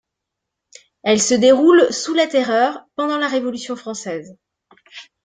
Elles se déroulent sous la Terreur pendant la Révolution française.